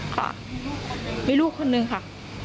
ค่ะมีลูกคนนึงค่ะ